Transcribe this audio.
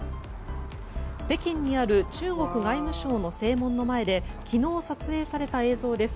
北京にある中国外務省の正門の前で昨日、撮影された映像です。